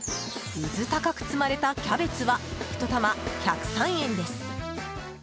うずたかく積まれたキャベツは１玉１０３円です。